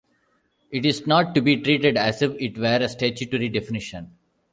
It is not to be treated as if it were a statutory definition.